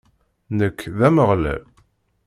Nekk, d Ameɣlal.